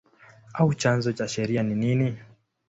au chanzo cha sheria ni nini?